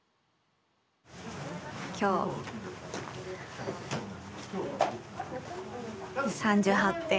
今日３８点。